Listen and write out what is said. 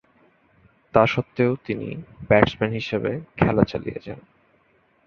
তাসত্ত্বেও তিনি ব্যাটসম্যান হিসেবে খেলা চালিয়ে যান।